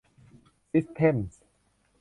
ซิสเท็มส์